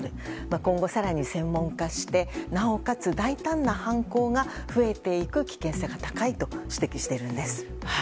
今後、更に専門化してなおかつ大胆な犯行が増えていく危険性が高いと指摘しているんです。